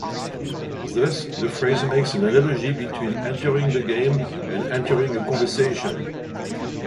Thus, the phrase makes an analogy between entering the game and entering a conversation.